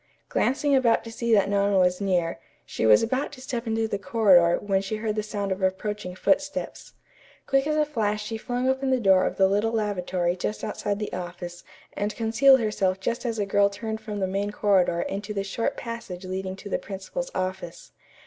Glancing about to see that no one was near, she was about to step into the corridor when she heard the sound of approaching footsteps. Quick as a flash she flung open the door of the little lavatory just outside the office and concealed herself just as a girl turned from the main corridor into the short passage leading to the principal's office.